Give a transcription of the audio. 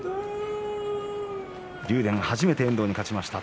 竜電、初めて遠藤に勝ちました。